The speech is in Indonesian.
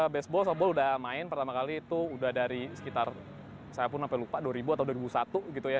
baseball softball udah main pertama kali itu udah dari sekitar saya pun sampai lupa dua ribu atau dua ribu satu gitu ya